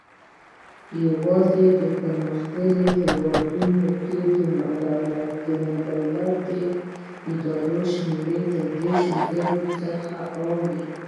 یوازې په پرمختیایي هیوادونو کې د نادولتي ادراراتو شمېر له دېرش زرو څخه اوړي.